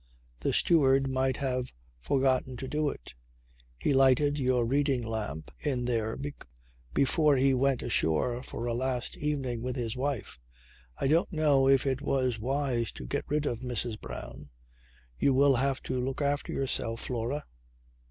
The steward might have forgotten to do it. He lighted your reading lamp in there before he went ashore for a last evening with his wife. I don't know if it was wise to get rid of Mrs. Brown. You will have to look after yourself, Flora."